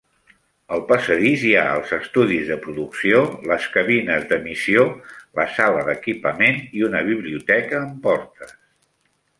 Al passadís hi ha els estudis de producció, les cabines d'emissió, la sala d'equipament i una biblioteca amb portes.